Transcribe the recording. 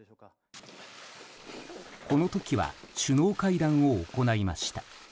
この時は首脳会談を行いました。